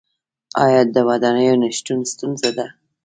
آیا د ودانیو نشتون ستونزه ده؟